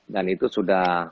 dan itu sudah